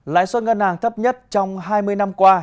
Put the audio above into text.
lãi suất ngân hàng thấp nhất trong hai mươi năm qua